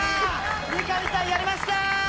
三上さん、やりました！